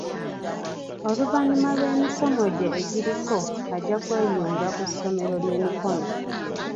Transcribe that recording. Oluvannyuma lw'emisomo gye egiriko ajja kweyunga ku ssomero ly'emikono.